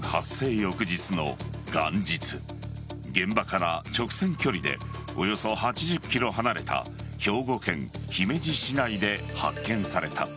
翌日の元日現場から直線距離でおよそ８０ｋｍ離れた兵庫県姫路市内で発見された。